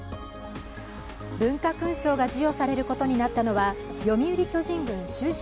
文化勲章が授与されることになったのは読売巨人軍終身